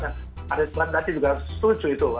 arief khan tadi juga setuju itu